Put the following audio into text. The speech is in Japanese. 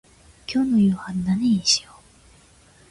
今日の夕飯何にしよう。